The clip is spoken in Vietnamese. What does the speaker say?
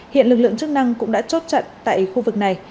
hiện lực lượng chức năng cũng đã chốt chặn tại khu vực này